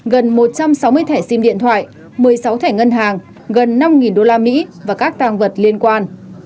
gần một trăm sáu mươi thẻ sim điện thoại một mươi sáu thẻ ngân hàng gần năm usd và các tàng vật liên quan